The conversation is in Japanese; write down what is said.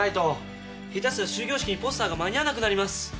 下手すりゃ終業式にポスターが間に合わなくなります。